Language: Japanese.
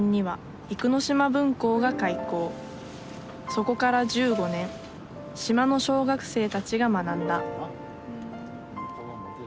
そこから１５年島の小学生たちが学んだ